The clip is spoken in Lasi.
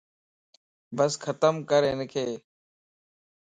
بس ختم ڪرھنڪ